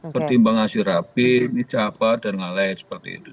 pertimbang hasil rapim icapat dan lain lain seperti itu